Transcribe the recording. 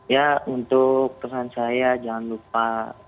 ya untuk pesan saya jangan lupa